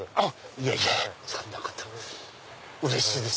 いやいやそんなことうれしいです。